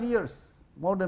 lebih dari lima tahun